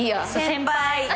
先輩！